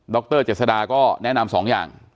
ดรเจศดาก็แนะนำ๒อย่าง